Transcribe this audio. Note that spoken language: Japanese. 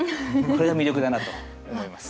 これが魅力だなと思います。